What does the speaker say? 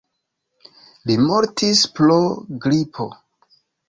Li mortis pro gripo.